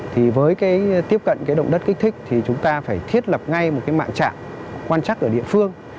thì với cái tiếp cận cái động đất kích thích thì chúng ta phải thiết lập ngay một cái mạng trạm quan trắc ở địa phương